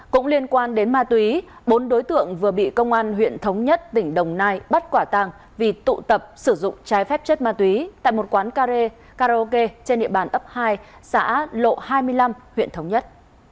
cũng liên quan đến ma túy bốn đối tượng vừa bị công an huyện thống nhất tỉnh đồng nai bắt quả tàng vì tụ tập sử dụng trái phép chất ma túy tại một quán karaoke trên địa bàn ấp hai xã lộ hai mươi năm huyện thống nhất